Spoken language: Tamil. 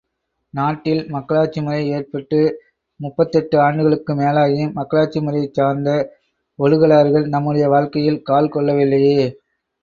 நாட்டில் மக்களாட்சிமுறை ஏற்பட்டு முப்பத்தெட்டு ஆண்டுகளுக்கு மேலாகியும் மக்களாட்சிமுறையைச் சார்ந்த ஒழுகலாறுகள் நம்முடைய வாழ்க்கையில் கால் கொள்ளவில்லையே!